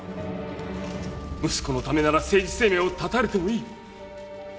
息子のためなら政治生命を絶たれてもいい。